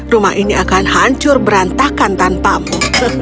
rumah ini akan hancur berantakan tanpamu